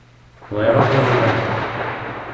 Wa iruḥ, wa yuɣal-d.